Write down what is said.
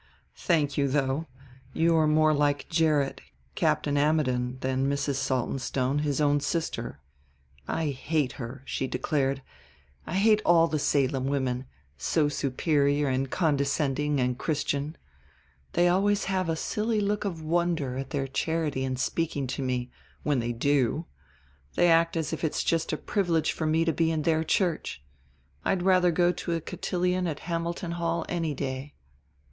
"Thank you, though. You are more like Gerrit, Captain Ammidon, than Mrs. Saltonstone, his own sister. I hate her," she declared. "I hate all the Salem women, so superior and condescending and Christian. They always have a silly look of wonder at their charity in speaking to me... when they do. They act as if it's just a privilege for me to be in their church. I'd rather go to a cotillion at Hamilton Hall any day."